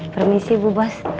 permisi bu bos